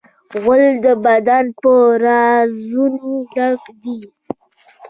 غول د بدن په رازونو ډک دی.